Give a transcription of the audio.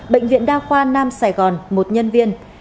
bệnh viện đa khoa nam sài gòn một nhân viên